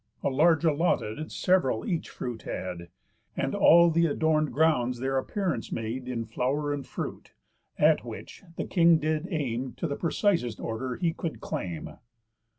A large allotted sev'ral each fruit had; And all th' adorn'd grounds their appearance made In flow'r and fruit, at which the king did aim To the precisest order he could claim.